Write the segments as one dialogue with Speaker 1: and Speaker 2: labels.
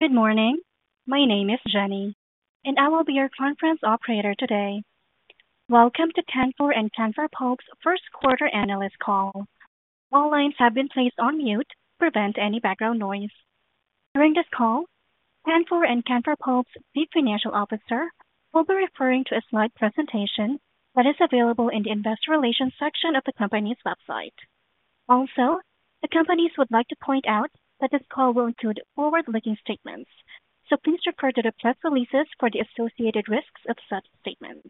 Speaker 1: Good morning. My name is Jenny, and I will be your conference operator today. Welcome to Canfor and Canfor Pulp's First Quarter Analyst Call. All lines have been placed on mute to prevent any background noise. During this call, Canfor and Canfor Pulp's Chief Financial Officer will be referring to a slide presentation that is available in the investor relations section of the company's website. Also, the companies would like to point out that this call will include forward-looking statements, so please refer to the press releases for the associated risks of such statements.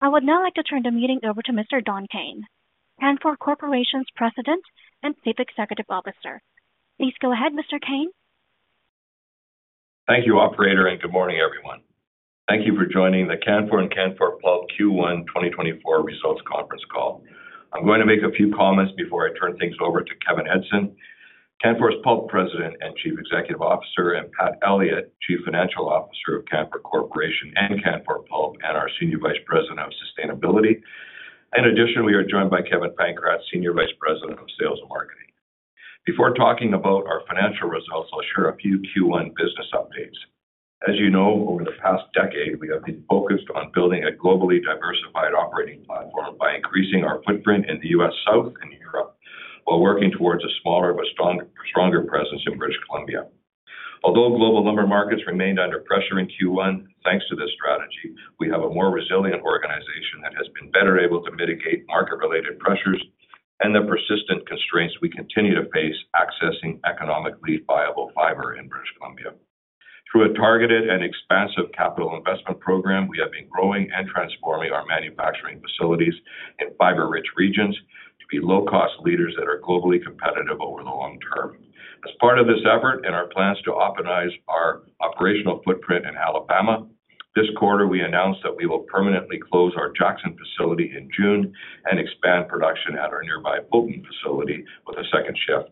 Speaker 1: I would now like to turn the meeting over to Mr. Don Kayne, Canfor Corporation's President and Chief Executive Officer. Please go ahead, Mr. Kayne.
Speaker 2: Thank you, operator, and good morning, everyone. Thank you for joining the Canfor and Canfor Pulp Q1 2024 Results Conference Call. I'm going to make a few comments before I turn things over to Kevin Edgson, Canfor Pulp President and Chief Executive Officer, and Pat Elliott, Chief Financial Officer of Canfor Corporation and Canfor Pulp, and our Senior Vice President of Sustainability. In addition, we are joined by Kevin Pankratz, Senior Vice President of Sales and Marketing. Before talking about our financial results, I'll share a few Q1 business updates. As you know, over the past decade, we have been focused on building a globally diversified operating platform by increasing our footprint in the US South and Europe, while working towards a smaller but strong- stronger presence in British Columbia. Although global lumber markets remained under pressure in Q1, thanks to this strategy, we have a more resilient organization that has been better able to mitigate market-related pressures and the persistent constraints we continue to face accessing economically viable fiber in British Columbia. Through a targeted and expansive capital investment program, we have been growing and transforming our manufacturing facilities in fiber-rich regions to be low-cost leaders that are globally competitive over the long term. As part of this effort and our plans to optimize our operational footprint in Alabama, this quarter, we announced that we will permanently close our Jackson facility in June and expand production at our nearby Fulton facility with a second shift.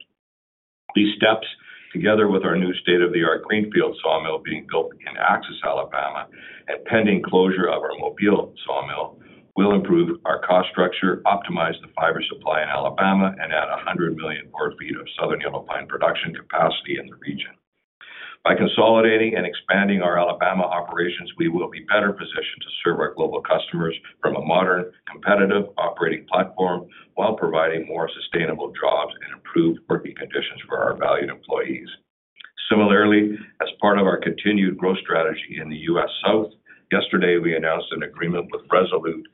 Speaker 2: These steps, together with our new state-of-the-art greenfield sawmill being built in Axis, Alabama, and pending closure of our Mobile sawmill, will improve our cost structure, optimize the fiber supply in Alabama, and add 100 million board feet of Southern Yellow Pine production capacity in the region. By consolidating and expanding our Alabama operations, we will be better positioned to serve our global customers from a modern, competitive operating platform while providing more sustainable jobs and improved working conditions for our valued employees. Similarly, as part of our continued growth strategy in the US South, yesterday, we announced an agreement with Resolute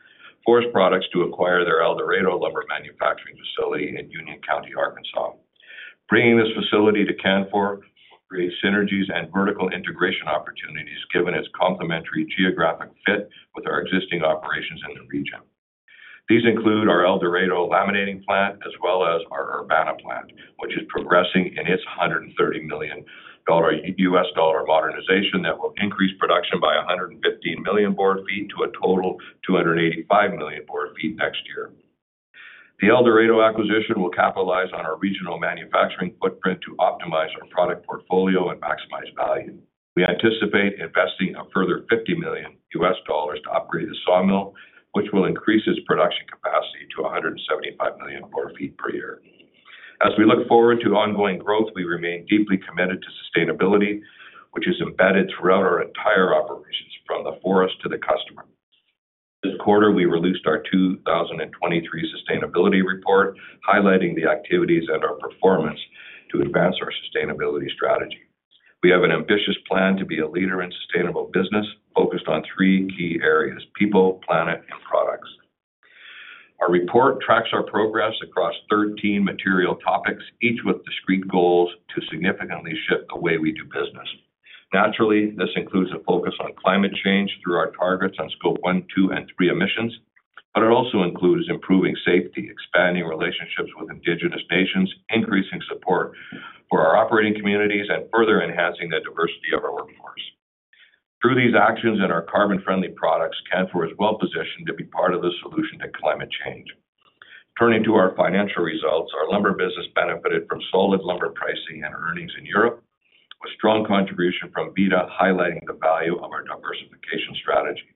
Speaker 2: Forest Products to acquire their El Dorado lumber manufacturing facility in Union County, Arkansas. Bringing this facility to Canfor will create synergies and vertical integration opportunities, given its complementary geographic fit with our existing operations in the region. These include our El Dorado laminating plant as well as our Urbana plant, which is progressing in its $130 million US dollar modernization that will increase production by 115 million board feet to a total 285 million board feet next year. The El Dorado acquisition will capitalize on our regional manufacturing footprint to optimize our product portfolio and maximize value. We anticipate investing a further $50 million US dollars to upgrade the sawmill, which will increase its production capacity to 175 million board feet per year. As we look forward to ongoing growth, we remain deeply committed to sustainability, which is embedded throughout our entire operations, from the forest to the customer. This quarter, we released our 2023 sustainability report, highlighting the activities and our performance to advance our sustainability strategy. We have an ambitious plan to be a leader in sustainable business, focused on 3 key areas: people, planet, and products. Our report tracks our progress across 13 material topics, each with discrete goals to significantly shift the way we do business. Naturally, this includes a focus on climate change through our targets on Scope 1, 2, and 3 emissions, but it also includes improving safety, expanding relationships with Indigenous nations, increasing support for our operating communities, and further enhancing the diversity of our workforce. Through these actions and our carbon-friendly products, Canfor is well-positioned to be part of the solution to climate change. Turning to our financial results, our lumber business benefited from solid lumber pricing and earnings in Europe, with strong contribution from Vida, highlighting the value of our diversification strategy.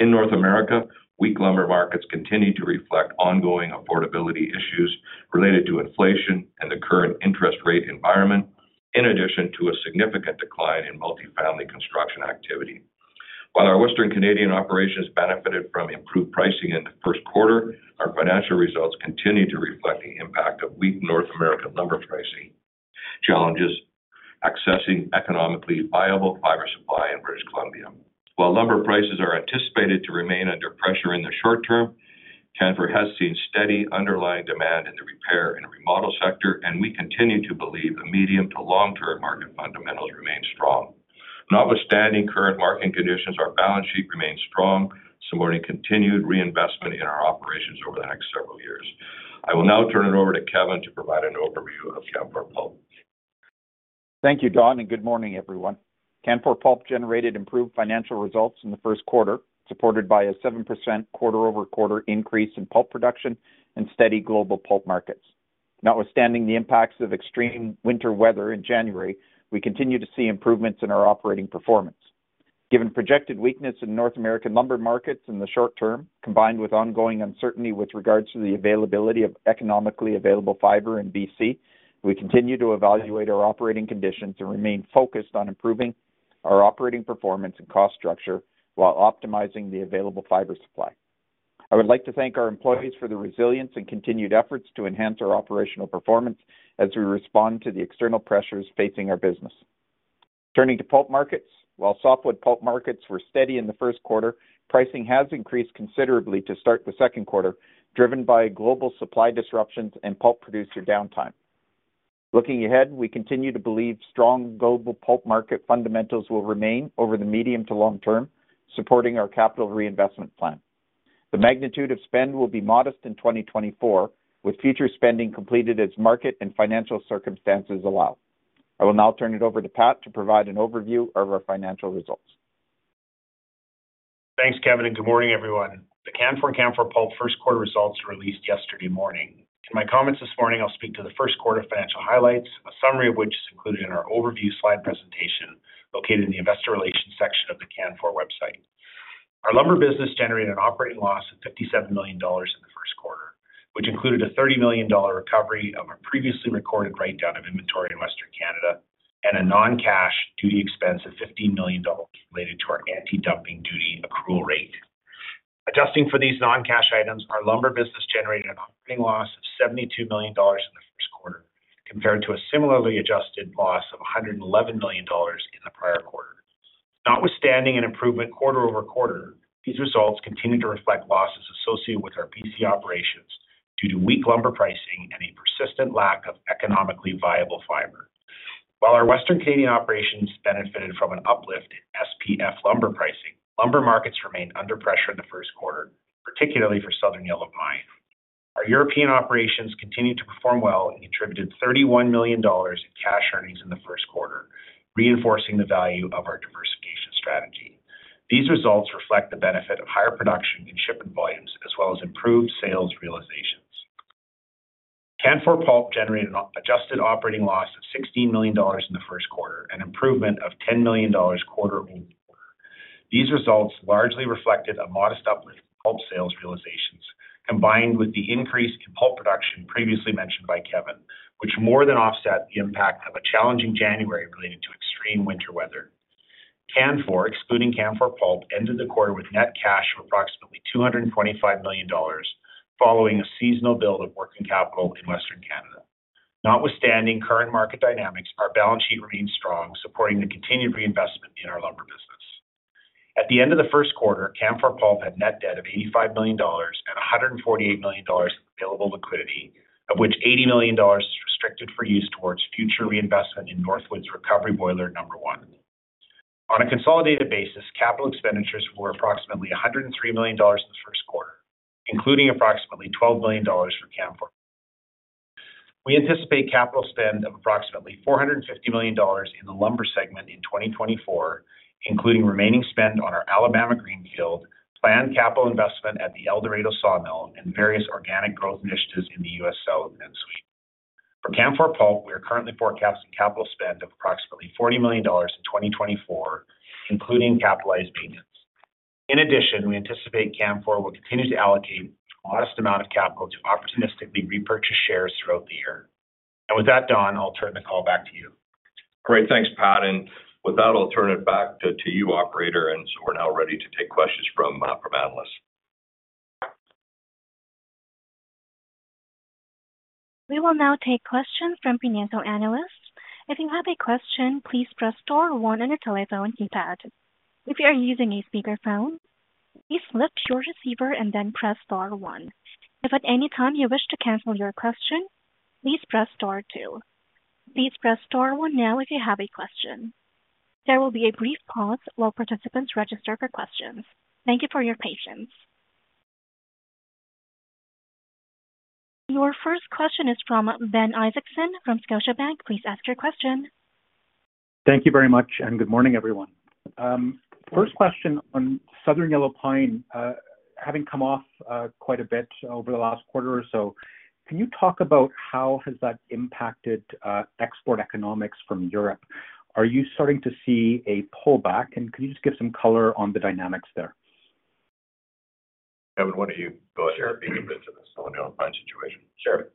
Speaker 2: In North America, weak lumber markets continue to reflect ongoing affordability issues related to inflation and the current interest rate environment, in addition to a significant decline in multifamily construction activity. While our Western Canadian operations benefited from improved pricing in the first quarter, our financial results continue to reflect the impact of weak North American lumber pricing, challenges accessing economically viable fiber supply in British Columbia. While lumber prices are anticipated to remain under pressure in the short term, Canfor has seen steady underlying demand in the repair and remodel sector, and we continue to believe the medium to long-term market fundamentals remain strong. Notwithstanding current market conditions, our balance sheet remains strong, supporting continued reinvestment in our operations over the next several years. I will now turn it over to Kevin to provide an overview of Canfor Pulp.
Speaker 3: Thank you, Don, and good morning, everyone. Canfor Pulp generated improved financial results in the first quarter, supported by a 7% quarter-over-quarter increase in pulp production and steady global pulp markets. Notwithstanding the impacts of extreme winter weather in January, we continue to see improvements in our operating performance.... Given projected weakness in North American lumber markets in the short term, combined with ongoing uncertainty with regards to the availability of economically available fiber in BC, we continue to evaluate our operating conditions and remain focused on improving our operating performance and cost structure while optimizing the available fiber supply. I would like to thank our employees for the resilience and continued efforts to enhance our operational performance as we respond to the external pressures facing our business. Turning to pulp markets. While softwood pulp markets were steady in the first quarter, pricing has increased considerably to start the second quarter, driven by global supply disruptions and pulp producer downtime. Looking ahead, we continue to believe strong global pulp market fundamentals will remain over the medium to long term, supporting our capital reinvestment plan. The magnitude of spend will be modest in 2024, with future spending completed as market and financial circumstances allow. I will now turn it over to Pat to provide an overview of our financial results.
Speaker 4: Thanks, Kevin, and good morning, everyone. The Canfor Pulp first quarter results were released yesterday morning. In my comments this morning, I'll speak to the first quarter financial highlights, a summary of which is included in our overview slide presentation, located in the Investor Relations section of the Canfor website. Our lumber business generated an operating loss of 57 million dollars in the first quarter, which included a 30 million dollar recovery of our previously recorded write-down of inventory in Western Canada, and a non-cash duty expense of 15 million dollars related to our antidumping duty accrual rate. Adjusting for these non-cash items, our lumber business generated an operating loss of 72 million dollars in the first quarter, compared to a similarly adjusted loss of 111 million dollars in the prior quarter. Notwithstanding an improvement quarter-over-quarter, these results continue to reflect losses associated with our BC operations due to weak lumber pricing and a persistent lack of economically viable fiber. While our Western Canadian operations benefited from an uplift in SPF lumber pricing, lumber markets remained under pressure in the first quarter, particularly for Southern Yellow Pine. Our European operations continued to perform well and contributed 31 million dollars in cash earnings in the first quarter, reinforcing the value of our diversification strategy. These results reflect the benefit of higher production in shipment volumes, as well as improved sales realizations. Canfor Pulp generated an adjusted operating loss of 16 million dollars in the first quarter, an improvement of 10 million dollars quarter-over-quarter. These results largely reflected a modest uplift in pulp sales realizations, combined with the increase in pulp production previously mentioned by Kevin, which more than offset the impact of a challenging January related to extreme winter weather. Canfor, excluding Canfor Pulp, ended the quarter with net cash of approximately $225 million, following a seasonal build of working capital in Western Canada. Notwithstanding current market dynamics, our balance sheet remains strong, supporting the continued reinvestment in our lumber business. At the end of the first quarter, Canfor Pulp had net debt of $85 million and $148 million available liquidity, of which $80 million is restricted for use towards future reinvestment in Northwood's Recovery Boiler number one. On a consolidated basis, capital expenditures were approximately $103 million in the first quarter, including approximately $12 million for Canfor. We anticipate capital spend of approximately 450 million dollars in the lumber segment in 2024, including remaining spend on our Alabama greenfield, planned capital investment at the El Dorado sawmill, and various organic growth initiatives in the US South and Sweden. For Canfor Pulp, we are currently forecasting capital spend of approximately 40 million dollars in 2024, including capitalized maintenance. In addition, we anticipate Canfor will continue to allocate a modest amount of capital to opportunistically repurchase shares throughout the year. With that, Don, I'll turn the call back to you.
Speaker 2: Great. Thanks, Pat, and with that, I'll turn it back to you, operator, and so we're now ready to take questions from analysts.
Speaker 1: We will now take questions from financial analysts. If you have a question, please press star one on your telephone keypad. If you are using a speakerphone, please lift your receiver and then press star one. If at any time you wish to cancel your question, please press star two. Please press star one now if you have a question. There will be a brief pause while participants register for questions. Thank you for your patience. Your first question is from Ben Isaacson from Scotiabank. Please ask your question.
Speaker 5: Thank you very much, and good morning, everyone. First question on Southern Yellow Pine, having come off quite a bit over the last quarter or so, can you talk about how has that impacted export economics from Europe? Are you starting to see a pullback? And can you just give some color on the dynamics there?
Speaker 2: Kevin, why don't you go ahead and get into the Southern Yellow Pine situation?
Speaker 3: Sure.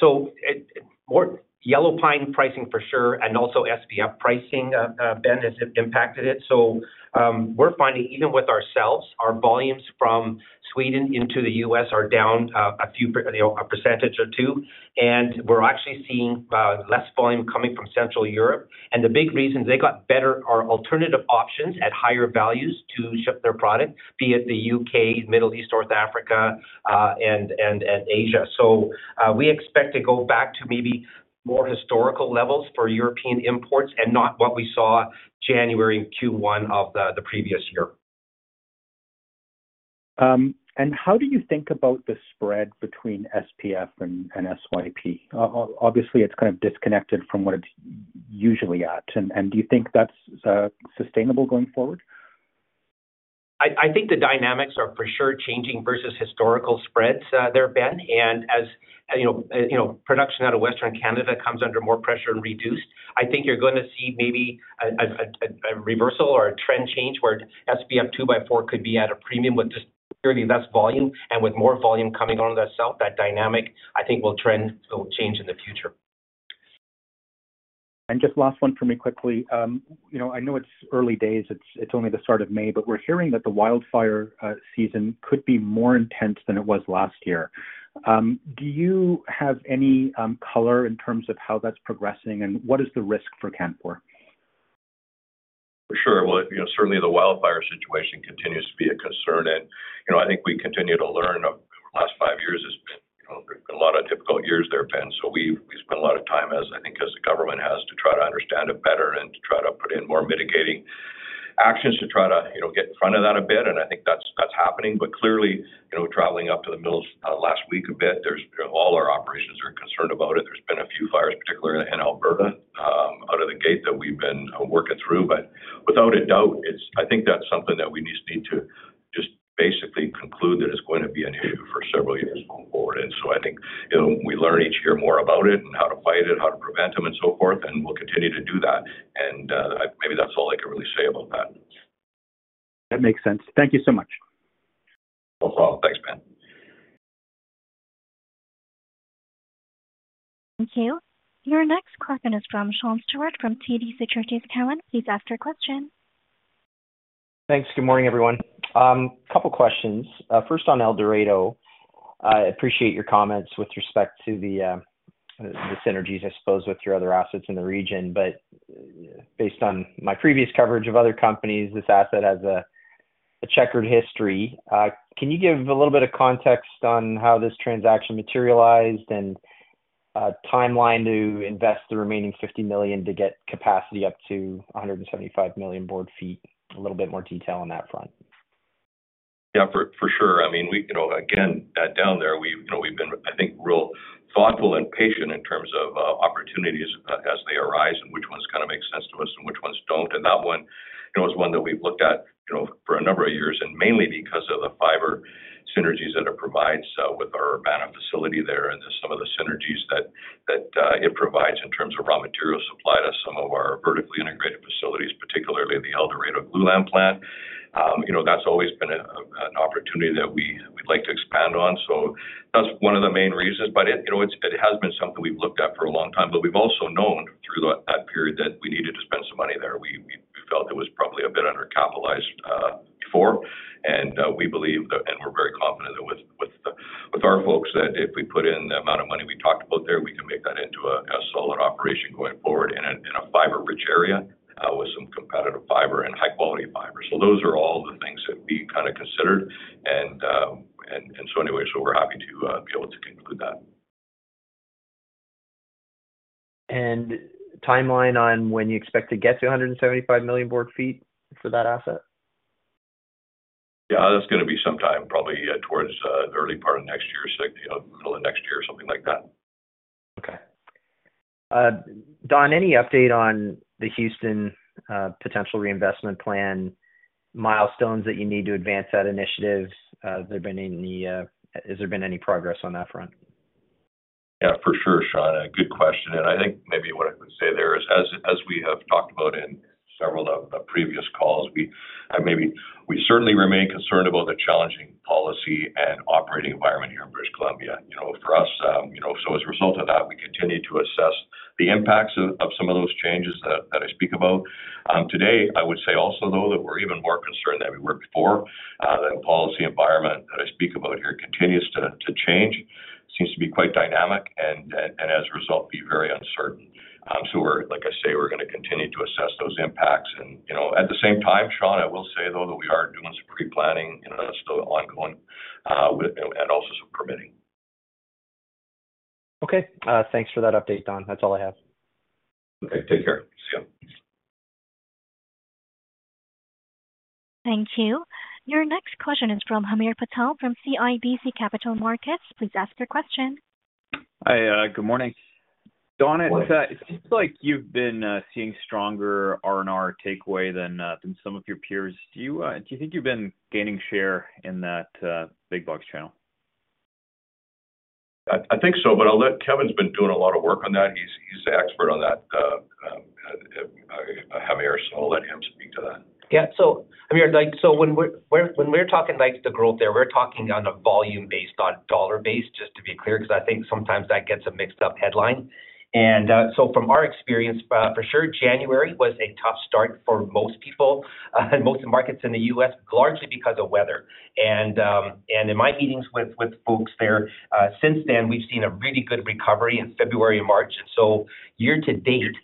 Speaker 3: So it's more Yellow Pine pricing for sure, and also SPF pricing, Ben, has impacted it. So, we're finding, even with ourselves, our volumes from Sweden into the U.S. are down, a few, you know, a percentage or two, and we're actually seeing, less volume coming from Central Europe. And the big reason, they got better or alternative options at higher values to ship their product, be it the U.K., Middle East, North Africa, and Asia. So, we expect to go back to maybe more historical levels for European imports and not what we saw January in Q1 of the previous year.
Speaker 5: And how do you think about the spread between SPF and SYP? Obviously, it's kind of disconnected from what it's usually at. And do you think that's sustainable going forward? ...
Speaker 6: I think the dynamics are for sure changing versus historical spreads, there have been. And as you know, you know, production out of Western Canada comes under more pressure and reduced, I think you're going to see maybe a reversal or a trend change where SPF two by four could be at a premium with just clearly less volume and with more volume coming out of the south. That dynamic, I think will trend, will change in the future.
Speaker 5: Just last one for me quickly. You know, I know it's early days. It's only the start of May, but we're hearing that the wildfire season could be more intense than it was last year. Do you have any color in terms of how that's progressing, and what is the risk for Canfor?
Speaker 2: For sure. Well, you know, certainly the wildfire situation continues to be a concern. And, you know, I think we continue to learn of the last five years has been, you know, a lot of difficult years there have been. So we've spent a lot of time, as I think, as the government has, to try to understand it better and to try to put in more mitigating actions to try to, you know, get in front of that a bit. And I think that's happening. But clearly, you know, traveling up to the middle of last week a bit, there's all our operations are concerned about it. There's been a few fires, particularly in Alberta, out of the gate that we've been working through. But without a doubt, it's... I think that's something that we just need to just basically conclude that it's going to be an issue for several years going forward. And so I think, you know, we learn each year more about it and how to fight it and how to prevent them and so forth, and we'll continue to do that. Maybe that's all I can really say about that.
Speaker 7: That makes sense. Thank you so much.
Speaker 2: No problem. Thanks, Ben.
Speaker 1: Thank you. Your next question is from Sean Steuart, from TD Securities. Kevin, please ask your question.
Speaker 8: Thanks. Good morning, everyone. Couple questions. First on El Dorado. I appreciate your comments with respect to the synergies, I suppose, with your other assets in the region. But based on my previous coverage of other companies, this asset has a checkered history. Can you give a little bit of context on how this transaction materialized, and a timeline to invest the remaining $50 million to get capacity up to 175 million board feet? A little bit more detail on that front.
Speaker 2: Yeah, for sure. I mean, we, you know, again, down there, we've, you know, we've been, I think, real thoughtful and patient in terms of, opportunities, as they arise and which ones kind of make sense to us and which ones don't. And that one, you know, is one that we've looked at, you know, for a number of years, and mainly because of the fiber synergies that it provides, with our Urbana facility there and just some of the synergies that, it provides in terms of raw material supply to some of our vertically integrated facilities, particularly the El Dorado laminating plant. You know, that's always been an opportunity that we, we'd like to expand on. So that's one of the main reasons. But it, you know, has been something we've looked at for a long time, but we've also known through that period that we needed to spend some money there. We felt it was probably a bit undercapitalized before. We believe, and we're very confident that with our folks, that if we put in the amount of money we talked about there, we can make that into a solid operation going forward in a fiber-rich area with some competitive fiber and high-quality fiber. So those are all the things that we kind of considered. So we're happy to be able to conclude that.
Speaker 8: Timeline on when you expect to get to 175 million board feet for that asset?
Speaker 2: Yeah, that's gonna be some time, probably, towards the early part of next year, second of middle of next year or something like that.
Speaker 9: Okay. Don, any update on the Houston potential reinvestment plan milestones that you need to advance that initiative? Has there been any progress on that front?
Speaker 2: Yeah, for sure, Sean. A good question, and I think maybe what I would say there is, as we have talked about in several of the previous calls, we and maybe we certainly remain concerned about the challenging policy and operating environment here in British Columbia. You know, for us, you know, so as a result of that, we continue to assess the impacts of some of those changes that I speak about. Today, I would say also, though, that we're even more concerned than we were before, that policy environment that I speak about here continues to change, seems to be quite dynamic and as a result, be very uncertain. So we're, like I say, we're gonna continue to assess those impacts. You know, at the same time, Sean, I will say, though, that we are doing some pre-planning, and that's still ongoing with and also some permitting.
Speaker 9: Okay. Thanks for that update, Don. That's all I have.
Speaker 2: Okay. Take care. See you.
Speaker 1: Thank you. Your next question is from Hamir Patel from CIBC Capital Markets. Please ask your question.
Speaker 10: Hi. Good morning.
Speaker 2: Good morning.
Speaker 11: Don, it seems like you've been seeing stronger R&R takeaway than some of your peers. Do you think you've been gaining share in that big box channel?
Speaker 2: I think so, but I'll let Kevin's been doing a lot of work on that. He's the expert on that, Hamir, so I'll let him speak to that.
Speaker 6: Yeah. So, I mean, like, so when we're talking like the growth there, we're talking on a volume base, not dollar base, just to be clear, because I think sometimes that gets a mixed-up headline. And, so from our experience, for sure, January was a tough start for most people, most markets in the U.S., largely because of weather. And, and in my meetings with folks there, since then, we've seen a really good recovery in February and March. And so year to date,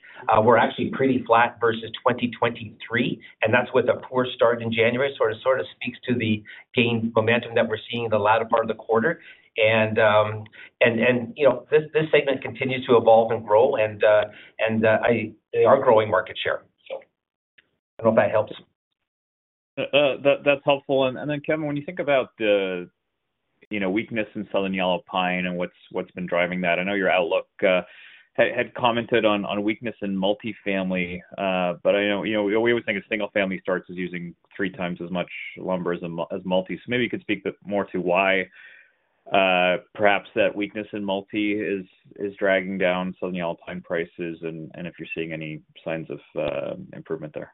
Speaker 6: we're actually pretty flat versus 2023, and that's with the poor start in January. So it sort of speaks to the gained momentum that we're seeing in the latter part of the quarter. And, you know, this segment continues to evolve and grow, and we are growing market share. So I don't know if that helps.
Speaker 11: That's helpful. And then, Kevin, when you think about the-... you know, weakness in Southern Yellow Pine and what's been driving that? I know your outlook had commented on weakness in multifamily, but I know, you know, we always think of single family starts as using three times as much lumber as multi. So maybe you could speak a bit more to why perhaps that weakness in multi is dragging down Southern Yellow Pine prices, and if you're seeing any signs of improvement there.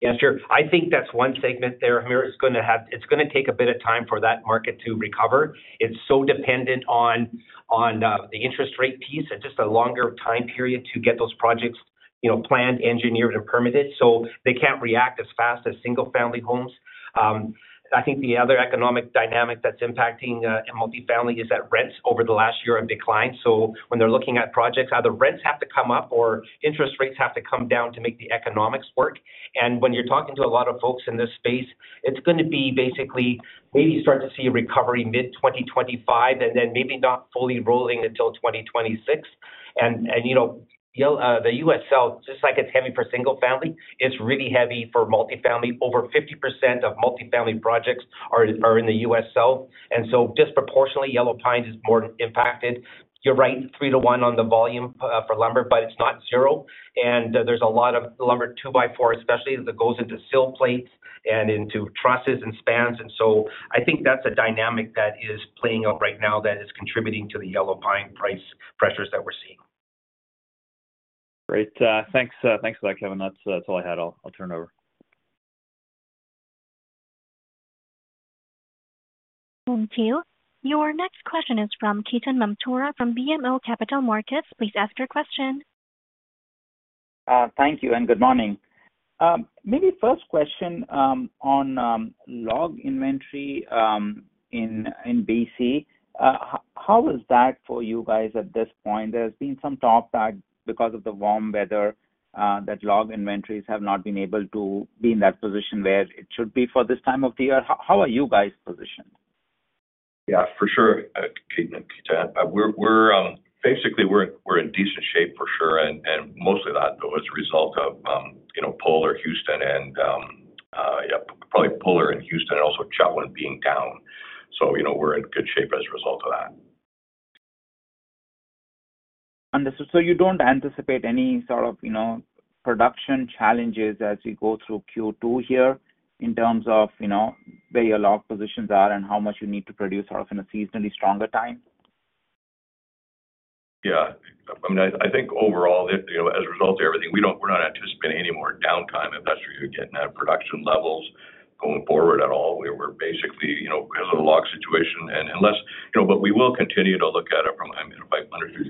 Speaker 6: Yes, sure. I think that's one segment there, Hamir, it's gonna take a bit of time for that market to recover. It's so dependent on the interest rate piece and just a longer time period to get those projects, you know, planned, engineered, and permitted, so they can't react as fast as single-family homes. I think the other economic dynamic that's impacting multifamily is that rents over the last year have declined. So when they're looking at projects, either rents have to come up or interest rates have to come down to make the economics work. And when you're talking to a lot of folks in this space, it's gonna be basically, maybe you start to see a recovery mid-2025, and then maybe not fully rolling until 2026. And you know, the U.S. South, just like it's heavy for single family, it's really heavy for multifamily. Over 50% of multifamily projects are in the U.S. South, and so disproportionately, Yellow Pine is more impacted. You're right, 3-to-1 on the volume for lumber, but it's not zero. And there's a lot of lumber, 2x4 especially, that goes into sill plates and into trusses and spans. And so I think that's a dynamic that is playing out right now that is contributing to the Yellow Pine price pressures that we're seeing.
Speaker 11: Great. Thanks, thanks a lot, Kevin. That's, that's all I had. I'll, I'll turn over.
Speaker 1: Thank you. Your next question is from Ketan Mamtora from BMO Capital Markets. Please ask your question.
Speaker 12: Thank you, and good morning. Maybe first question, on log inventory, in BC. How is that for you guys at this point? There's been some talk that because of the warm weather, that log inventories have not been able to be in that position where it should be for this time of the year. How are you guys positioned?
Speaker 2: Yeah, for sure, Ketan. We're basically in decent shape, for sure, and mostly that, though, as a result of, you know, Polar, Houston, and probably Polar and Houston and also Chetwynd being down. So, you know, we're in good shape as a result of that.
Speaker 13: Understood. So you don't anticipate any sort of, you know, production challenges as we go through Q2 here in terms of, you know, where your log positions are and how much you need to produce sort of in a seasonally stronger time?
Speaker 2: Yeah. I mean, I think overall, if you know, as a result of everything, we don't-- we're not anticipating any more downtime, if that's what you're getting at, production levels going forward at all. We're basically, you know, because of the log situation, and unless... You know, but we will continue to look at it from, I mean, if I understood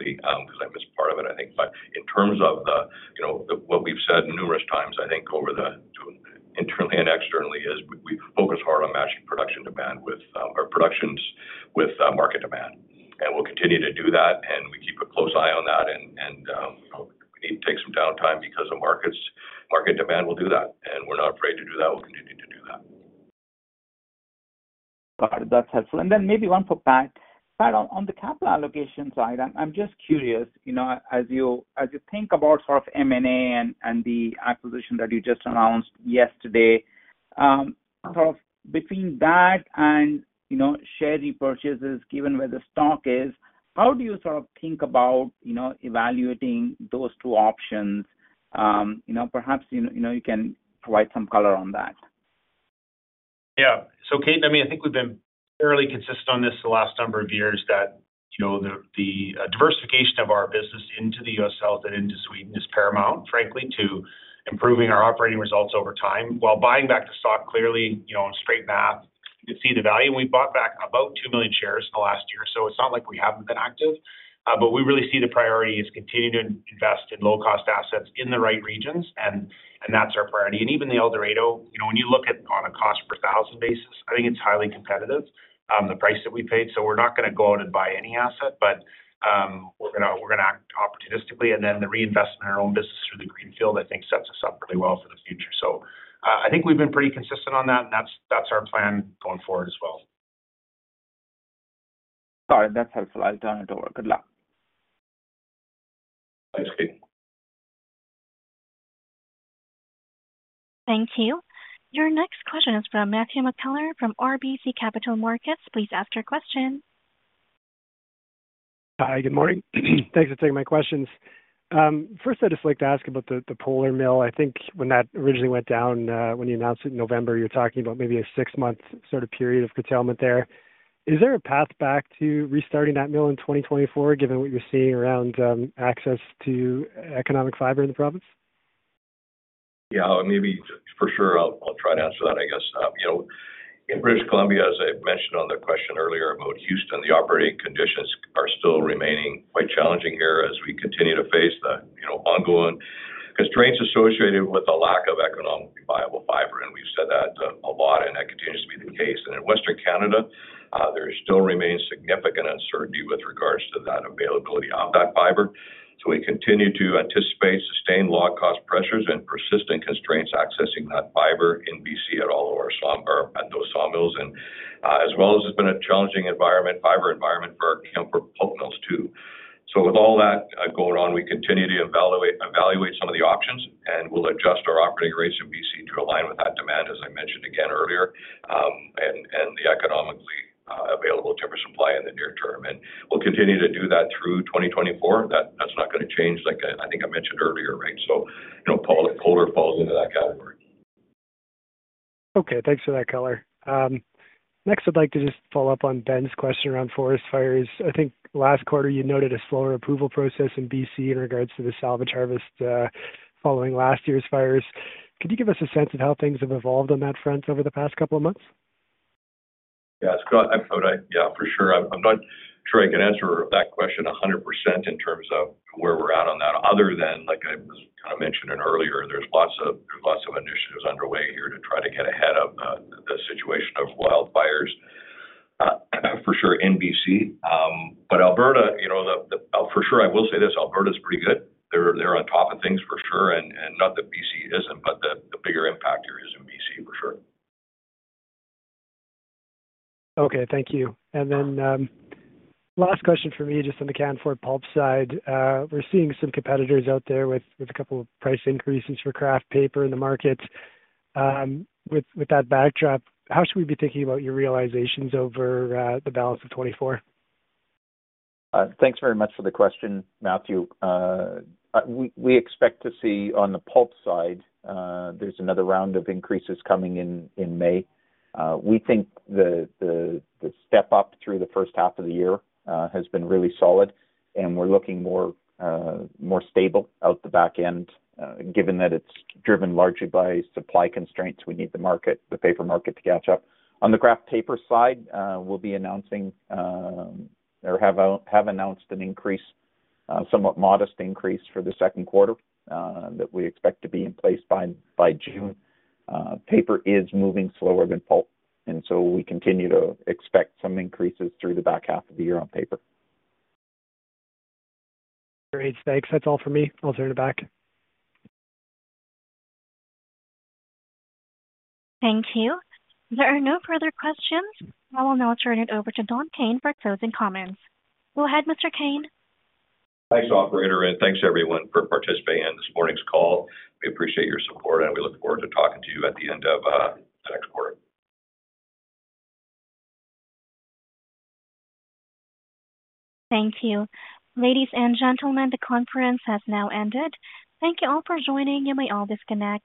Speaker 2: your question correctly, 'cause I missed part of it, I think. But in terms of the, you know, the-- what we've said numerous times, I think over the, internally and externally, is we focus hard on matching production demand with our productions with market demand. And we'll continue to do that, and we keep a close eye on that, and you know, if we need to take some downtime because the markets, market demand will do that, and we're not afraid to do that. We'll continue to do that.
Speaker 13: Got it. That's helpful. And then maybe one for Pat. Pat, on the capital allocation side, I'm just curious, you know, as you think about sort of M&A and the acquisition that you just announced yesterday, sort of between that and, you know, share repurchases, given where the stock is, how do you sort of think about, you know, evaluating those two options? You know, perhaps you can provide some color on that.
Speaker 4: Yeah. So, Ketan, I mean, I think we've been fairly consistent on this the last number of years, that, you know, the diversification of our business into the US South and into Sweden is paramount, frankly, to improving our operating results over time. While buying back the stock, clearly, you know, in straight math, you can see the value, and we bought back about 2 million shares in the last year, so it's not like we haven't been active. But we really see the priority is continuing to invest in low-cost assets in the right regions, and that's our priority. And even the El Dorado, you know, when you look at on a cost per thousand basis, I think it's highly competitive, the price that we paid. So we're not gonna go out and buy any asset, but, we're gonna, we're gonna act opportunistically, and then the reinvestment in our own business through the greenfield, I think, sets us up really well for the future. So, I think we've been pretty consistent on that, and that's, that's our plan going forward as well.
Speaker 13: Got it. That's helpful. I've done it over. Good luck.
Speaker 2: Thanks, Ketan.
Speaker 1: Thank you. Your next question is from Matthew McKellar from RBC Capital Markets. Please ask your question.
Speaker 14: Hi, good morning. Thanks for taking my questions. First, I'd just like to ask about the Polar mill. I think when that originally went down, when you announced it in November, you were talking about maybe a six-month sort of period of curtailment there. Is there a path back to restarting that mill in 2024, given what you're seeing around, access to economic fiber in the province?
Speaker 2: Yeah, maybe for sure, I'll, I'll try to answer that, I guess. You know, in British Columbia, as I mentioned on the question earlier about Houston, the operating conditions are still remaining quite challenging here as we continue to face the, you know, ongoing constraints associated with the lack of economically viable fiber, and we've said that a lot, and that continues to be the case. And in Western Canada, there still remains significant uncertainty with regards to that availability of that fiber. So we continue to anticipate sustained log cost pressures and persistent constraints accessing that fiber in BC at all of our sawmills. And, as well as it's been a challenging environment, fiber environment for our Canfor pulp mills, too. So with all that going on, we continue to evaluate some of the options, and we'll adjust our operating rates in BC to align with that demand, as I mentioned again earlier, and the economically available timber supply in the near term. We'll continue to do that through 2024. That's not gonna change, like I think I mentioned earlier, right? So, you know, Polar falls into that category.
Speaker 14: Okay, thanks for that color. Next, I'd like to just follow up on Ben's question around forest fires. I think last quarter you noted a slower approval process in BC in regards to the salvage harvest, following last year's fires. Could you give us a sense of how things have evolved on that front over the past couple of months?
Speaker 2: Yeah, yeah, for sure. I'm not sure I can answer that question 100% in terms of where we're at on that, other than, like I was kind of mentioning earlier, there's lots of initiatives underway here to try to get ahead of the situation of wildfires, for sure in BC. But Alberta, you know, the... For sure, I will say this, Alberta's pretty good. They're on top of things for sure, and not that BC isn't, but the bigger impact here is in BC, for sure.
Speaker 15: Okay, thank you. And then, last question for me, just on the Canfor Pulp side. We're seeing some competitors out there with a couple of price increases for kraft paper in the market. With that backdrop, how should we be thinking about your realizations over the balance of 2024?
Speaker 3: Thanks very much for the question, Matthew. We expect to see, on the pulp side, there's another round of increases coming in, in May. We think the step up through the first half of the year has been really solid, and we're looking more stable out the back end. Given that it's driven largely by supply constraints, we need the market, the paper market, to catch up. On the kraft paper side, we'll be announcing, or have announced an increase, somewhat modest increase for the second quarter, that we expect to be in place by June. Paper is moving slower than pulp, and so we continue to expect some increases through the back half of the year on paper.
Speaker 15: Great. Thanks. That's all for me. I'll turn it back.
Speaker 1: Thank you. There are no further questions. I will now turn it over to Don Kayne for closing comments. Go ahead, Mr. Kayne.
Speaker 2: Thanks, operator, and thanks everyone for participating in this morning's call. We appreciate your support, and we look forward to talking to you at the end of the next quarter.
Speaker 1: Thank you. Ladies and gentlemen, the conference has now ended. Thank you all for joining, you may all disconnect.